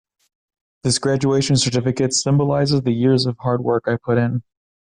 This graduation certificate symbolizes the years of hard work I put in.